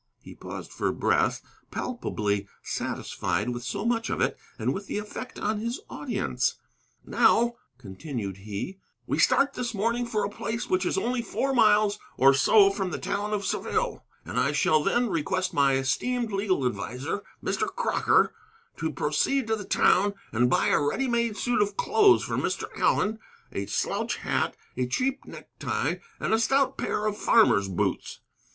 He paused for breath, palpably satisfied with so much of it, and with the effect on his audience. "Now," continued he, "we start this morning for a place which is only four miles or so from the town of Saville, and I shall then request my esteemed legal adviser, Mr. Crocker, to proceed to the town and buy a ready made suit of clothes for Mr. Allen, a slouch hat, a cheap necktie, and a stout pair of farmer's boots.